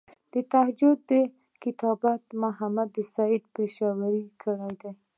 د تجوید کتابت محمد سعید پشاوری کړی دی.